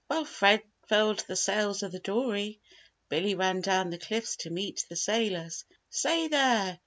While Fred furled the sails of the dory, Billy ran down the cliffs to meet the sailors. "Say there!